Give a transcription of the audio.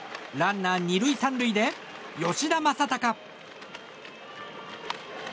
ランナー２塁３塁で吉田正尚。